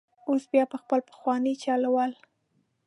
اوس بیا په خپل پخواني چل ول.